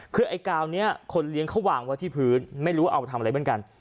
คือไอ้กาวนี้คนเลี้ยงเขาวางไว้ที่พื้นไม่รู้เอามาทำอะไรเหมือนกัน